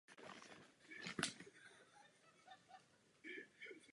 V zemi neexistují celoroční vodní plochy.